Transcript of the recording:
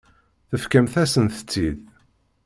Tefkamt-asent-tt-id.